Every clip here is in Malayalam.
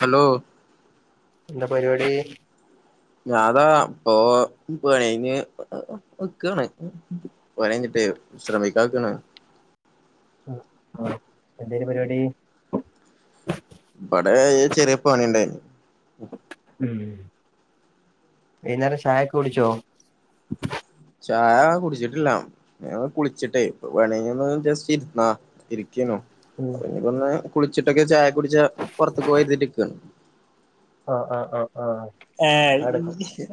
ഹലോ എന്താ പരിപാടി ഞാതാ ഇപ്പൊ പോഴഞ് വക്കാണ് പണികഴി ശ്രമിക്കാക്കുന്നു.. ആ എന്തായും പരിപാടി? വിടെ ചെറിയ പണി ഉണ്ടായിന് ഉ വൈകുന്നേരം ചായൊക്കെ കുടിച്ചോ? ചായ കുടിച്ചിട്ടില്ല ഞ കുളിച്ചിട്ടേ പണി കഴിങ്‌ വന്നു ജസ്റ്റ് ഇരുന്ന അ ഉം ഇന്ന് കുളിച്ചിട്ടൊക്കെ ചായ കുടിച്ച പുറത്ത പോയിരുന്നട്ടരിക്കാണ് ആഹ് ആഹ് ആഹ് ആഹ് ഏ ചായുടിക്കും ഉം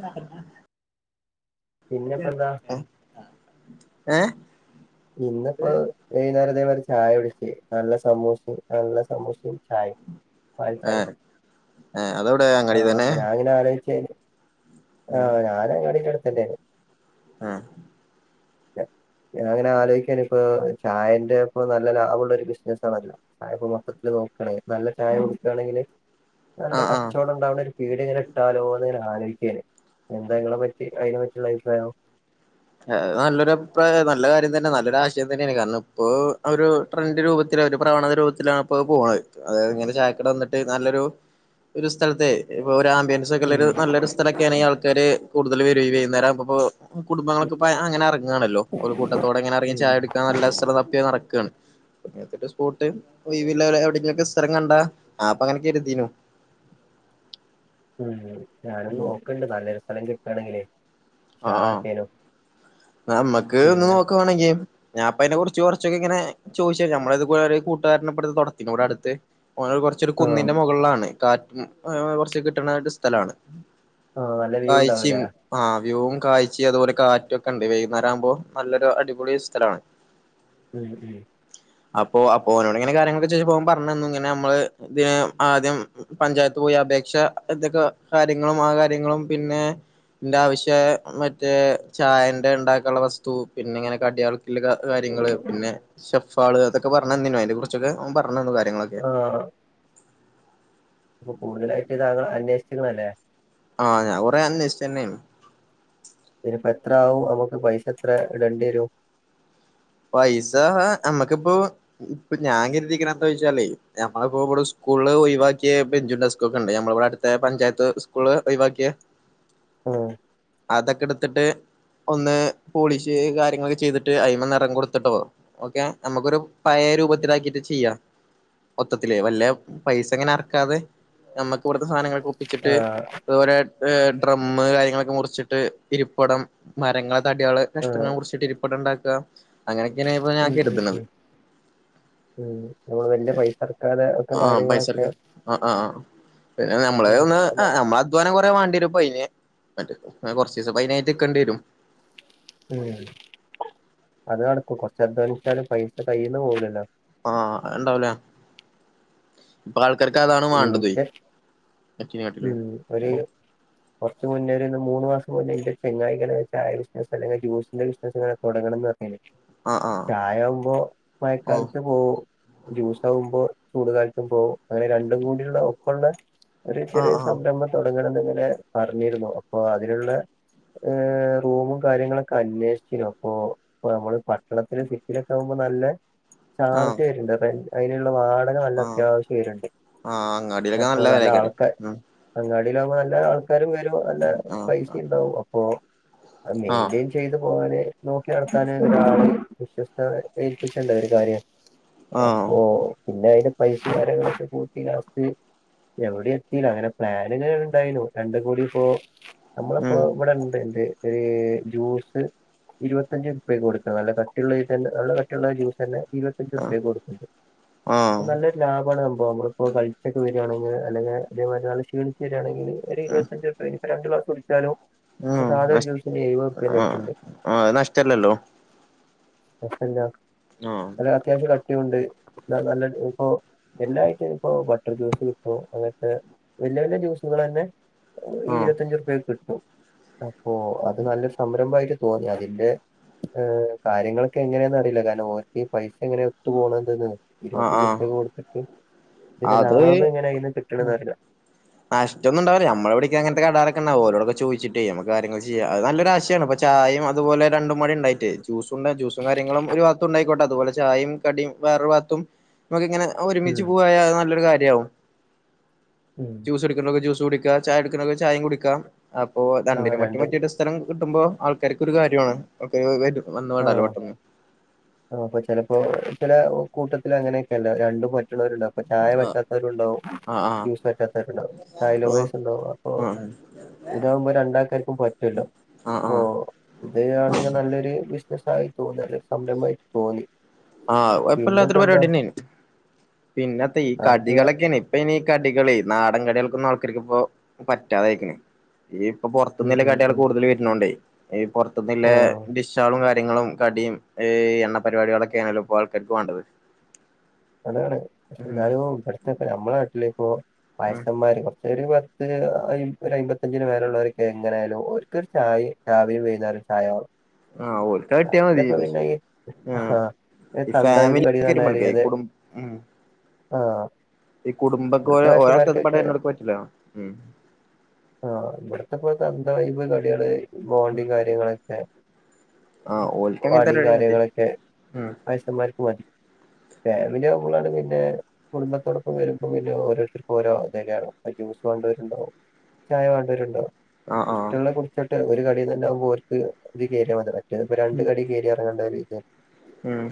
പിന്നെപ്പെന്താ, ഏ ഇന്നിപ്പോ വെയ്ന്നേരം ഇതേമാതിരി ചായ ചായകുടിച്ച് നല്ല സമൂസിം നല്ല സമൂസിം ചായ പാൽ ചായ ഏഹ് ഏഹ് അതെവിടെ ആ അങ്ങാടി തന്നെ അപ്പൊ ഞാ അങ്ങനെയെ ആലോയിക്കാണ് ശരി ആഹ ഞാന അങ്ങാടിടെ അടുത്താണ് ആഹ [unintelligible] ഞാനി ങ്ങനെ ആലോയ്ക്കേനിപ്പൊ ചായന്റെ ഇപ്പൊ നല്ല ലാഭ ള്ളൊരു ബിസിനസ്സ ണല്ലോ ചായപ്പോ മൊത്തത്തില് നൊക്കണെ നല്ലൊരു ചായ [unintelligible] ക്കണെങ്കിൽ നല്ല ആഹ് ആഹ് കച്ചോടണ്ടാവണൊരു പിട്യ ങ്ങനെ ട്ടാലോന്ന് ങ്ങനെ ആലോയ്ക്കേണ് എന്താ ഇങ്ങളെ പറ്റി അയ്നെ പറ്റി ള്ളെ അഭിപ്രായം അ് നല്ലൊരഭിപ്രായാ നല്ലകാര്യം തന്നെ നല്ലൊരു ആശയം തന്നെണ് കാരണം ഇപ്പോ ഒര് ട്രെൻഡ് രൂപത്തി ത്തില് ഒരു പ്രവണത രൂപത്തിലാണ് പ്പഅ് പോണഅ് അതായത് ഇങ്ങനെ ചായക്കട വന്ന്ട്ട് നല്ലൊരു ഒരു സ്ഥലത്തെ [unintelligible] ഉം മ്പിയൻസൊക്കെള്ളൊരു നല്ലൊരു സ്ഥലൊക്കേണെങ്കില് ആൾക്കാർ കൂടുതൽ വരും ഈ വൈന്നേരാവുമ്പൊ പ്പൊ കു പ്പ അങ്ങെനെ എർങ്ങാണല്ലോ ഒരു കൂട്ടത്തോടെ അ ങ്ങനെ എർങ്ങി ഉം ചായു ടിക്കൻ നല്ല സ്ഥല തപ്പി നടക്കാണ്. [unintelligible] സ്പോട്ട് ഒയ്വ്ള്ള എവിടെയങ്കിലൊക്കെ സ്ഥരം കണ്ടാ ആപ്പ ങ്ങനെ കെര്തീനു. ഉം ഞാനൊന്ന് നോക്ക്ണ്ട് നല്ലൊരു സ്ഥലം ആ ആ കിട്ടണെങ്കിലേഷാറാക്കേനു നമ്മക്ക് ഒന്ന് നോക്കവാണെങ്കി ഞാപ്പോ അയ്നെ കുർച്ച് കൊർച്ചൊക്കെങ്ങനെ ചോയ്ച്ച നമ്മളത് പോലൊരു കൂട്ടുകാരനെ പൊലെത് തൊ ഇപ്പ ഇവടട്ത്ത് ഓനൊരു കാർച്ചൊരു ആഹ് കുന്നിന്റെ മുകളിലാണ്. കാറ്റും കൊർച്ച് കിട്ടണാ ഒരു സ്ഥലാണ് ആഹ് നല്ല വ്യൂ കാഴ്ച്ചിം ഉണ്ടാവൂലേ ആ വ്യൂവും കാഴ്ച്ചിം അതുപോലെ കാറ്റൊക്കെണ്ട് വൈന്നാ രാവുമ്പോ നല്ലൊരു അടിപൊളി സ്ഥലാണ്. ഉം ഉം അപ്പൊ അപ്പോ ഒനോട് ങ്ങനെ കാര്യങ്ങളൊക്കെ ചോയ്ചപ്പോ ഓൻ പർഞ്ഞെന്ന് ങ്ങനെ നമ്മള് ഏ ആദ്യം പഞ്ചായത്ത് പോ യി അപേക്ഷ എന്തൊക്കെ കാര്യങ്ങളും ആ കാര്യങ്ങളും പിന്നെ ഇന്റെ ആവശ്യയ മറ്റേ ചായൻ ൻ്റെ ഇണ്ടാക്കാനുള്ള വസ്തു പിന്നങ്ങനെ കടിയളത്തു ല്ല കാ കാര്യങ്ങള് പിന്നെ ഷെഫ് ഇപ്പള് അത്തൊക്കെ പർഞ്ഞന്നിനി അയ്നെ കുർച്ചൊക്കെ ഓൻ പർഞ്ഞെന്നു കാര്യങ്ങളൊക്കെ ആഹ് അപ്പൊ കൂടുതലായിട്ട് താങ്കൾ അന്വേഷിച്ച്ക്ക്ണ്ല്ലേ ആ ഞാൻ ഒറേ അന്വേഷിച്ചന്നെണ്. ഇതിനിപ്പോ എത്ര വും നമുക്ക് പൈ സെത്ര ഇടേണ്ട്യരും പൈസ അമ്മക്കിപ്പോ ഇപ്പൊ ഞാൻ കെര്തിക്കണെ എന്തോയ്ച്ചാലേ ഞമ്മള പോ ഇബടെ സ് കൂള് ഒയിവാക്ക്യെ ബെഞ്ചും ഡെസ് ക്കൊക്കെണ്ട് ഞമ്മളവടട്ത്തെ പഞ്ചായത്ത് സ്കൂള് ഒയ് വാക്ക്യാ ആഹ് അതെക്കെട് ത്ത്ട്ട് ഒന്ന് പോളിഷെയ്യ് കാര്യങ്ങളൊക്കെ ചെയ്തിട്ട് അയ്‌മെന്ന [unintelligible] കൊട്ത്തിട്ടോ ഓക്കെ നമക്കൊരു പയേ രൂപത്തിലാക്കിട്ട് ചെയ്യാം. മൊത്തത്തിലേ വല്ല പൈസ ങ്ങനെ അറക്കാതെ നമ്മക്ക് വടെത്തെ സാധനങ്ങൾ ഒപ്പിച്ചിട്ട് ആഹ് അതുപോലെ ഏ ഡ്രമ്മ് കാര്യങ്ങളൊക്കെ മുർച്ചിട്ട് ഇരിപ്പടം മരങ്ങള തട്യാള് ആഹ് കഷ്ണങ്ങള് മുർച്ചിട്ട് ഇരിപ്പടണ്ടാക്ക അങ്ങനൊക്കെയന്ന് ഇപ്പ ഞാൻ ഉം ഉം കര്ത്ണത്. ഉം ഉം നമ്മള് വല്യ പൈസ ട്ക്കാതെ ഒക്കെ കാര്യങ്ങളൊക്കെ അ് നമ്മള ഉം ർഞ്ഞാ അത് ഏ നട ഒ നമ്മളധ്വാനം കൊറേ മാണ്ട്യരും പയ്ന് [unintelligible] കൊർച്ചീസപയ്നായിട്ട് നിക്കണ്ട്യേരും. ഉം അത് നടക്കും കൊർച്ചധ്വാനിച്ചാലും പൈസ കയ്യീന്ന് പോവൂലല്ലോ. ആ അഅ്ണ്ടാവൂല ഇപ്പൾക്കാർക്ക് അതാണ് മാണ്ട തൊഅ് ജസ്റ്റ് ഉം ഒര് കൊർച്ച് മുന്നേ ഒര് മൂന്ന് മാസം മുന്നേയ് ഒരു ചെങ്ങയിങ്ങനെ ചായ ബിസിനസ് അല്ലെങ്കി ജ്യൂസിന്റെ ബിസിനസ്ങ്ങെനെ തൊടങ്ങണന്ന് പർഞ്ഞി നി. ആഹ് ചായ വുമ്പോ ആഹ് മഴക്കാലത്ത് പോവും ജ്യൂസാവുമ്പോ ചൂടുകാലത്തും പോവും അങ്ങനെ രണ്ടും കൂടിള്ള ഒപ്പള്ളെ ഒരു ചെറിയ ആഹ് ആഹ് സംരംഭം തൊടങ്ങണംന്ന് ങ്ങനെ പർഞ്ഞിരുന്നു അപ്പൊ അത് ന്ള്ളെ ഏ റൂമും കാര്യങ്ങളൊക്കെ അന്വേഷിച്ച്ണ് അപ്പൊ ഇപ്പ നമ്മള് പട്ടണത്തില് സിറ്റിലൊക്കാവുമ്പോ നല്ല ആഹ് ചാർ ആഹ് ജെര്ണ്ട് [unintelligible] അയ്ന് ള്ളെ വാടക നല്ല ആഹ് അത്യാവശ്യ വെര്ണ്ട്. ആഹ് അങ്ങാടിയിലൊക്കെ നല്ല വെലെകാരം ഉം അങ്ങാടിലാവുമ്പം നല്ല ആൾക്കാരും വെരും നല്ല ആഹ് പൈസിണ്ടാവും അപ്പൊ അത് ആഹ് മെയ്ന്റെയ്ൻ ചെയ്തു പോകാന നോക്കി നടത്താന് ഒരാള വിശ്വസ്ത ഏൽപ്പിച്ചുണ്ട ഒരു കാര്യം ആഹ് അപ്പൊ പിന്നെ അതിന്റെ പൈസ കാര്യങ്ങളൊക്കെ സ്റ്റ് എവിടെ എത്തില്ല അങ്ങനെ പ്ലൻ ഇങ്ങനെ ഉണ്ടായിന രണ്ട കൂടി ഇപ്പോ നമ്മളിപ്പോൊ ഉം ഇവിടെണ്ട്ന്റെ ഒരു ജ്യൂസ് ഇരുപത്തഞ്ചച് രുപയ്ക്ക് കൊടുക്കണം നല്ല കട്ടിയുള്ളത് തന്നെ നല്ല കട്ടുള്ള ജ്യൂസ് തന്നെ ആഹ് ഇരുപത്തഞ്ച് ുപ്യ കൊടുക്കുണ്ട് അ ആഹ് നല്ലൊരു ലാഭമാണ് സംഭവം നമ്മള് ഇപ്പോ കളിച്ചൊെകേ വരു കയാണെങ്കിൽ അല്ലെങ്കഇതേ വരുന്ഗിൽ അതേ നാൾ ക്ഷീണിച്ച്രികയാണെങ്കിൽ ഒരു ഉം ഇരുപത്തഞ്ച് രപ രണ്ട് ഗ്ലാസ്‌ കുടിച്ചാലോ ഉം പക്ഷെസാധാ ഒരു നഷ് ജ്യൂസ്‌ എഴുപത് റുപ്പിന്റ ആഹ് അടുത്തുണ്ട് ആഹ് അത് നഷ്ടല്ലല്ലോ പിന്നെ ആഹ് അ അത്യാവശ്യം ക ണ്ട് നല്ല ഇപ്പൊ എല്ലായിട്ടും ഇപ്പോൊ ബട്ടർ ജ്യൂസ് കിട്ടും അങ്ങനത്തെ വലിയ വലിയ ജ്യൂസുകൾ തന്നെ ആഹ് ഇരുപത്തഞ്ചു രുപക്ക് കിട്ടും അപ്പൊ അത് നല്ലൊ സംരംഭമായിട്ട് തോന്നി അതിന്റെ ഏഹ് കാര്യങ്ങളൊക്കെ എങ്ങനെയാ അറിയില്ല കാരണം ഓർക്ക്ഈ പൈസ എങ്ങനെ ഒത്തു പോണം എന്തന്ന് ആഹ് ഇരുപത്തഞ്ച് ആഹ് റപക്കെ കൊടുത്തിട്ട് ഇതിന്റെ ലാഭം എങ്ങനെ ഇന്ന് കിട്ടണന്ന്റില്ല നശ ഒന്നണ്ടാവില്ല നമ്മടെവിടിക്ക അങ്ങത്തെ കടറൊക്കെണ്ടാവ ഓരോൊെ ചോദിച്ചിട്ട് നക്ക് കാര്യൊ ചെയാം അത് നല്ലൊ ആശയാണ് ചായയും അതുപോലെണ്ടും ഉണ്ടായിട്ട് ജൂസ ഉണ്ട് ജ്യൂസും കാര്യങ്ങളും ഒരു ഭാഗത്ത ഉണ്ടായിോട്ടെ അതുപോലെ ചായയും കടിയു വേറെ ഭാഗത്തു നമുക്ക ഇങ്ങനെ ഒരുമിച്ച് ഉം പോയാൽ അത് നല്ലൊരു കാര്യമാവും ഉം ജ്യൂസ് എടുക്കക്കെ ജ്യൂസ് കുടിക്കുക ചായ എടുക്കെ ചായയും കുടിക്കുക അപ്പൊ ആ രണ്ടിനന് മറ്റും രണ്ട് മറ്റൊ ഒരു സ്ഥലം [unintelligible] ആൾക്കാർക്ക്ൊ ഒരു കാര്യമാണ് ആൾക്ക വ വന്ന് ആ വേടാലോ പെട്ടെന്ന് ആ അപ്പ ചിലപ്പോ ചില കൂട്ടത്തി അങ്ങനെയൊക്കെല്ല രണ്ട വരുണ്ടുംൊ ചായ ആ പറ്റാത്തവരുണ്ടാവും ആ ആ ജ്യൂസ് പറ്റാത്തവരുണ്ടാവുംൈലോവേസ് ഉണ്ടാവും അപ്പൊ ആ ഇതകുമ്പോ രണ്ടാൾക്കാർക്കും പറ്റൂല ആ ആ അപ്പ ഇത്ണ നല്ലൊരു വത്സമായി തോന്നി അ സംരംമായിട്ട് തോന്നി ആഹ് പിന്നെ ഇപ്പോ അപ്പല്ലാത്തൊരു എന്താ പരിപാടിന്നെും പിന്നത്തെ ഈ എനിക്ക് വേ- കടികളൊക്കെയാണ് ഇപ്പൊ ഇനിീ കടികള നാടൻ കടികൾക്ക പക്ക്ിപ്പോ പറ്റാതൊയിരിക്കെ ഈ ഇപ്പൊ ഉം പുറത്തുനിന്നല്ല ഉം കട്ടികൾ ഉം കൂടുതൽ വരണോണ്ട പുറത്തുനിന്നല്ല ആഹ് ഡിഷളും കാര്യങ്ങളും കടിയും എണ്ണ പരിപാടികളൊക്കെ ണല്ല ഇപ്പോൊ ആൾക്കാക്ക് വേണ്ടത് അതാണ് പക്ഷ ഉം എന്നഞാനും ഇവിടത്തെക്ക നമ്മളെ നാട്ടിലേപ്പ ഉം വയസാംന്മാർ കുറച്ച പത്ത് ഒരു അമ്പത്തഞ്ചിന് പേല ഉുള്ളവർക്ക് എങ്ങനൊയാലും ഒക്ക്ൊരു ചായ രാവിലെ വ്യുന്നരും ചായയാ ആഹ് ഓൽക്ക് അത് കിട്ടിയാ മതി പക്ഷെ ഇതപ്പന്ന ആഹ ആഹ് ഏ ഈ തന്തായപ്പ് ഫാമിലി ഒക്കെ വരുമ്പോൾക്കെ കടിന്നറിയതെ കുടും ഉം ഈ കുടുംബക്ക ഓരോഥത് വയസ്സന്മാർക്കൊക്കെ പടന്നെ എടുക്ക പറ്റില്ല ഉ ആ ഇവിടത്തെപ്പോ തന്തവൈബ് കടികള് ഉം ബോണ്ടും കാര്യങ്ങളൊക്കെ ആഹ് ഓൽക്ക് അങ്ങനത്തെ വടയും പരിപാടി മതി കാര്യങ്ങളൊക്ക ഉം വ യസന്മാർക്ക് മതി പിന്നെ കുടുംബത്തോടൊപ്പം വരുമ്പോ പിന്നെ ഓരോരുത്തർക്ക് ഓരോ ഇണോ ജ്യൂസ് വണ്ടരുണ്ടകും ചായ വേണ്ടവരുണ്ടോ ആഹ് ആഹ് ഇഷ്ടമെ കുടിച്ചോട്ട് ഒരു കടിയയി തന്നെ ആകുമ്പോൾ അവർക്ക് ഇത് കയറിയതി രണ്ട ഉം കടി കയറി ഇറങ്ങേണ്ട ഒരു ഉം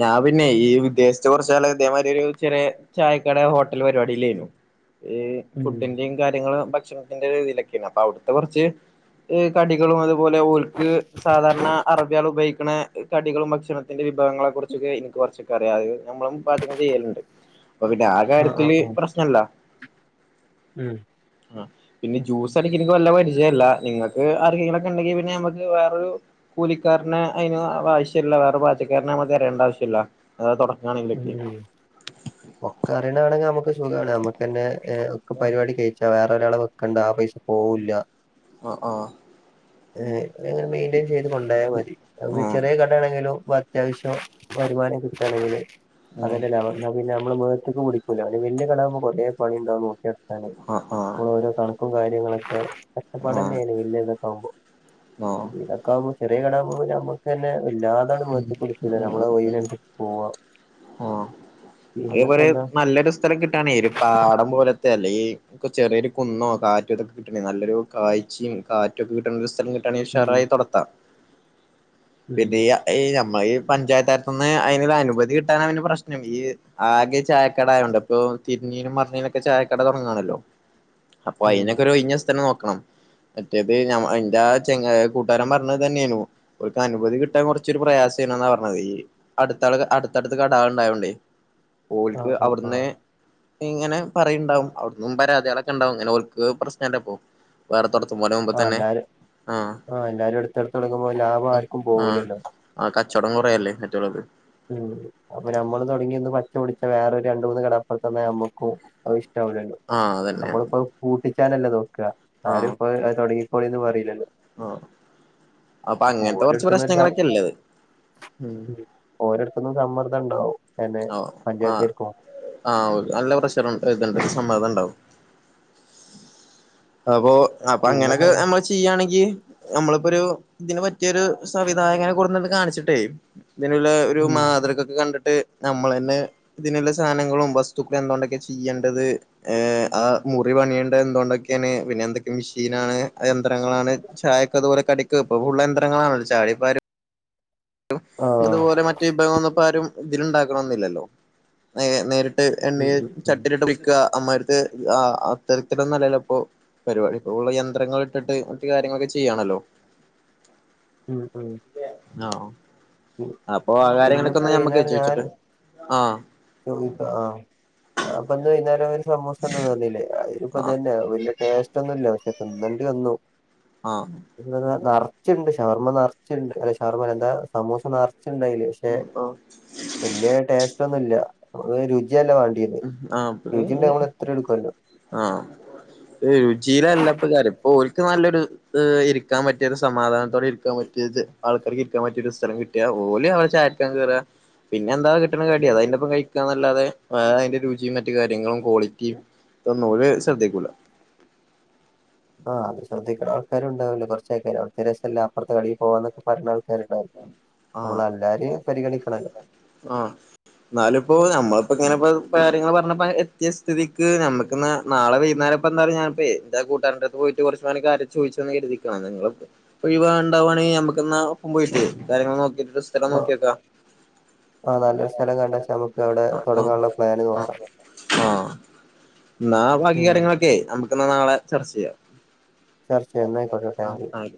ഞാൻ പിന്നെ ഈ വിദേശത്ത് കുറച്ചാള അതേമാതിരി ഒരു ചെറിയ ചായക്കട ഹോട്ടൽ പരിപാടില്ലായിരുന്നു ഈ ഉം ഫുഡിന്റെയും കാര്യങ്ങള്ൾ ഭക്ഷണത്തിന്റെ രീതിയിലൊക്കെയാണ് അപ്പൊ അവിടുത്തെ കുറച്ച് കടികളും അതുപോലെ ഓൽക്ക് സാധാരണ അറബിയാൾ ഉപയോഗിക്കണ കടികളും ഭക്ഷ ഭക്ഷണത്തിന്റെ വിഭവങ്ങളെ കുറിച്ചൊക്കെ എനിക്ക് കുറച്ചൊക്കെ അറിയാം. അത് നമ്മളും പാചകം ചെയ്യലുണ്ട്. അപ്പൊ പിന്നെ ആ ആഹ് ആഹ് കാര്യത്തില് ആഹ് പ്രശ്നല്ല. ഉം ആ പിന്നെ ജ്യൂസ് അടിക്ക എനിക്ക് വല്ല്യ പരിചയല്ല. നിങ്ങൾക്ക് ആരെങ്കിലുക്കെ ഉണ്ടെങ്കി പിന്നെ നമ്മുക്ക് വേറെയൊരു കൂലിക്കാരനെ അതിന് ആവശ്യമില്ല വേറെ പാചക്കാരനെമ്മ തരേണ്ട ആവശ്യമില്ല അ ഉ ഒക്കെ അറിയണാണെങ്കിൽ നമുക്ക് സുഖമാണ് നമ്മുക്ക്െന്നെ ഏ ഒക്കെ ആ പരിപാടി കഴിച്ചാ വേറെൊ ഒരാളെ വെക്കണ്ട ആ പൈസ പോവില്ല ആ ആ ഏ അങ്ങനെ മെയിന്റെയിൻ ചെയ്ത് കൊണ്ടായൽ മതി. അപ്പൊ ആഹ് ചെറിയ കടയാണെങ്കിലും ഇപ്പ അത്യാവശ്യം വരുമാനം കിട്ടുകയാണെങ്കിൽ അതെയല്ലേ ആഹ് ലാഭം ന്നാ പിന്നെ നമ്മ മേഖത്തേക് പിടികൂല്ല. അ വല്യ കടാവുമ്പോ കുറെ പണിണ്ടാകും. [unintelligible] ആഹ് നമ്മൾ ആഹ് ഓരോ കണക്കും കാര്യങ്ങളൊക്കെ ആഹ് കഷ്ടപ്പാടനെയാണ് വലിയ ഇതൊക്കെ ആകുമ്പോൾ. ആഹ് ഇതൊക്കെയാവുമ്പോ ചെറിയ കടവുമ്പോ നമ്മക് ത ന്നെ വല്ലാതെ അങ്ങേ ഉം മേത്ത്ക്ക് പിടികൂല്ല നമ്മള ഉം ഒഴിവിനെ ഉം അനുസരിച്ചു പോവാ. ആഹ് പിന്നെപ്പോ അതേപോലെ എന്താ നല്ലൊരു സ്ഥലം കിട്ടയാണ ഒരു പാടം പോലത്തെ അല്ലെ ഇ ചെറിയൊരു കുന്നോ കാറ്റും ഇതൊക്കെ കിട്ടണ നല്ലൊരു കാഴ്ചയും കാറ്റുക്കെ കിട്ടണ്ട സ്ഥല ണ ഉം ഉഷറായി തുടത്താം. ഉം ഞമ്മ ഈ പഞ്ചായത്താലത്തുന്ന് അതിന ഒരു അനുമതി കിട്ടാൻ പ്രശ്നം. ഈ ആകെ ചായക്കടയോടെ ഇപ്പൊ തിരിഞ്ഞീനും മറഞ്ഞിനും ഒക്കെ ചായക്കട തുടങ്ങാണല്ലോ, അപ്പൊ ഉം അയിനൊക്കെ ഒരു ഒഴിഞ്ഞ സ്ഥലം നോക ക്കണം മറ്റേത് ഞ എന്റെ ചങ്ങായി കൂട്ടാരൻ പറഞ്ഞത് ഇതേതാനെന്നു അവർക്ക് അനുമതി കിട്ടാൻ കുറ ച്ചൊരു പ്രയാസയിരുന്നുന്നേ പറഞ്ഞത് ഈ അടുത്ത അടുത്തടുത്ത് കടകൾ ഉണ്ടായോണ്ടേ. ആ ഒരേക്ക് ആ ആ അവിടുന്ന് ഇങ്ങനെ പറയുണ്ടാവും അവിടന്നും പരാതികളൊക്കെ ഉണ്ടാവും ഒരേക്ക് പ്രശ്നല്ലപ്പോ വേറെത്ത ആ എല്ലാരും ആ എല്ലാരും അടുത്തടുത്ത തുടങ്ങുമ്പോ ലാഭം ആർക്കും പോവൂലല്ലോ. ആ കച്ചവടം കുറയല്ലേ മറ്റുള്ളവരുത്. ഉം അപ്പൊ നമ്മള് തുടങ്ങി ഒന്ന് പച്ച പിടിച്ച വേറൊരു രണ്ടൂന്ന് കട അപ്പുറത് വന്ന നമ്മുക്കും അത് ഇഷ് ടാവുല്ലല്ലോ. ആഹ് അതന്നെ നമ്മളിപ്പോ പുട്ടിച്ചാനല്ലേ നോക്ക. ആരും ഇപ്പോ തുടങ്ങികോളിന്ന് പറയില്ലല്ലോ. ആ അപ്പൊ അങ്ങനത്തെ കുറച്ച് ഓരോരുത്തന്ന് ഒരു സ പ്രശ്നങ്ങളൊക്കെള്ളത് ഉം ഒരടുതെന്നെ സമർത്ഥം ഉണ്ടാവും. എന്നെ ആ ആ പഞ്ചായത്തിർക്കും ആ നല്ല പ്രഷർ ഇണ്ട് സമ്മർതം ഉണ്ടാവും. അപ്പൊ അപ്പൊ പിന്നെപ്പോ അങ്ങനെയൊക്കെ നമ്മള് ചെയ്യണെങ്കിൽ നമ്മളിപ്പോ ഒരു ഇതിനന് പറ്റിയൊരു സവിധായകനെ കൊട്ന്നിട്ട് കാണിച്ചിട്ടേ, ഇതിനുള്ള ഒരു ഉം മാതൃക ഒക്കെ കണ്ടിട്ട് നമ്മൾ തന്നെ ഇതിനുള്ള സാധനങ്ങളും വസ്തുക്കളും എന്തുണ്ട് ചെയ്യേണ്ടത് ഏ ആ മുറി മുറി പണിയേണ്ടത് എന്തോട ക്കെയാണ് പിന്നെ എന്തൊക്കെ മെഷീനാണെ ആ യന്ത്രങ്ങളാണ് ചായൊക്കെ അതുപോലെ കടിക്ക ഇപ്പൊ യന്ത്രങ്ങളാണല്ലോ ചായ ഇപ്പ ആരും ആഹ് ഇതുപോലെ മറ്റു വിഭാഗം വന്നപ്പോ ആരും ഇതിലുണ്ടാക്കണന്നില്ലല്ലോ നേ നേരി ട് എണ്ണ ഉം ഉം ഉം ചട്ടിലിട്ട് [unintelligible] [unintelligible] ആ അത്തരത്തിലല്ലലോ ഇപ്പോ പരിപാടി ഇപ്പോ ഉള്ള യന്ത്രങ്ങൾ ഇട്ടിട്ട് മറ്റ കാര്യങ്ങളൊക്കെ ചെ യ്യാണല്ലോ [inaudible] ഉം ഉം ആഹ് ഉം അപ്പൊ ആ ഇന്നിപ്പോ കാര്യങ്ങളൊക്കെന്ന നമ്മക്ക് ചോദിച്ചിട്ട് ആ [unintelligible] ആ അപ്പൊ ഇന്നേ വൈകുന്നേരം സമുസ ഒന്നും തന്നില്ലേ. ആഹ് അതിലെപ്പാതെന്നെ വലിയ ടേസ്റ്റ് ഒന്നുല്ല പക്ഷെ തിന്നണ്ടി വന്നു. ആഹ് [unintelligible] ച്ച്ണ്ട് ഷവർമ്മ നെറച്ച്ണ്ട് അല്ല ഷവർമ്മ എന്താ സമൂസാ നെ ച്ച്ണ്ടായില്ല പക്ഷെ ഉം വല്യേ ടേസ്റ്റ് ഒന്നുംല്ല രു ആഹ് [unintelligible] എത്ര എടുക്കുമല്ലോ ആഹ് ഏഹ് രുചിലല്ല പ്പ കാര്യം ഓൽക്ക് നല്ലൊരു ഈഹ് ഇരിക്കാൻ പറ്റിയത് സമാധാനത്തോടെ ഇരിക്കാൻ പറ്റിയത് ആൾക്കാർക്ക് ഇരിക്കാൻ പറ്റിയൊരു സ്ഥലം കിട്ടിയാ ഓല് അവ ചായട്ക്കാൻ കേറ്കാ പിന്നെ എന്താ കിട്ടണ കടിയ അത് അയിന്റെപ്പം കഴിക്കാന്നല്ലാതെ [unintelligible] അതിന്റെ രുചിയും മറ്റു കാര്യങ്ങളും ക്വാളിറ്റിയും ഇതൊന്നും ഒരേ ശ്രദ്ധിക്കുല. ആഹ് അത് ശ്രദ്ധിക്കണ ആൾക്കാരെണ്ടാവുല്ലോ കുറച്ചായി കഴിഞ്ഞ അവിടെത്തെ രസല്ല അപ്പുറത്തെ കടയിൽ പോവാന്നൊക്കെ പറയാനാ ആൾ. [unintelligible] നമ്മള ആഹ് എല്ലാരെയും പരിഗണിക്കണല്ലോ. ആഹ് എന്നാലിപ്പോ നമ്മ ഇപ്പൊ ഇങ്ങനെപ്പോ കാര്യങ്ങള് പറഞ്ഞപ്പ എത്തിയ സഥിതിക്ക് നമ്മുക്ക് നാ നാളെ വൈകുന്നേപ്പ എന്താ പറ ഞാനപ്പ എ കൂട്ടാരന്റെ അടുത്ത് പോയിട്ട് കൊറച്ച് [unintelligible] ചോയിച്ചുന്ന് കരുതിക്കോ നിങ്ങള് ഒഴിവാണ്ടാവാണേ ഞമ്മക്കെന്ന ഒപ്പ കാര്യങ്ങള് നോക്കിട്ടൊരു സ്ഥലം ആ നോക്കിയക്കാ ആ നല്ലൊരു സ്ഥലം കണ്ട്ച്ചാ നമുക്ക് അവിടെ ആഹ് തൊടങ്ങാനുള്ള പ്ലാന് നോക്കാം ന്നാ ബാക്കി ഉം കാര്യങ്ങളക്കെ നമുക്ക് എന്നാ നാളെ ചർച്ച ചെയ്യാം. ചർച്ച [unintelligible] എന്നായിക്കോട്ടെ ആഹ് ട്ടാങ്ക്യു. ആയിക്കോട്ടെ